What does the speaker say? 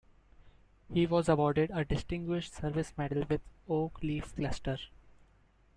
He was awarded a Distinguished Service Medal with Oak Leaf Cluster.